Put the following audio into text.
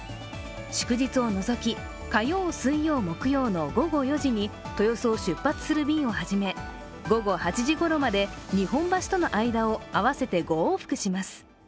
祝日を除き、火曜、水曜、木曜の午後４時に豊洲を出発する便を始め午後８時ごろまで日本橋との間を合わせて５往復します。